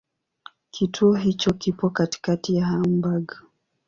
Kituo hicho kipo katikati ya Hamburg.